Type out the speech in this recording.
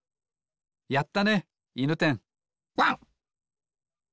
やったねいぬてんワン。